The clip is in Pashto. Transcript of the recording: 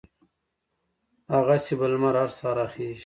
هغسې به لمر هر سهار را خېژي